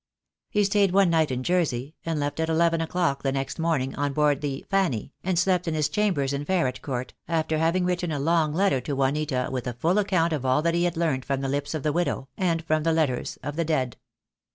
He stayed one night in Jersey, and left at eleven o'clock the next morning on board the Fanny, and slept in his chambers in Ferret Court, after having written a long letter to Juanita with a full account of all that he had learnt from the lips of the widow, and from the letters of the dead.